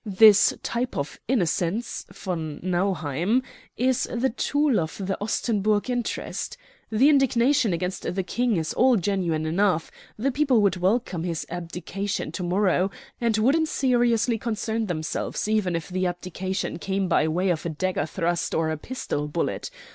This type of innocence, von Nauheim, is the tool of the Ostenburg interest. The indignation against the King is all genuine enough; the people would welcome his abdication to morrow, and wouldn't seriously concern themselves even if the abdication came by way of a dagger thrust or a pistol bullet.